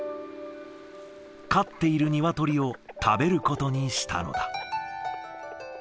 飼っている鶏を食べることにしたのだ。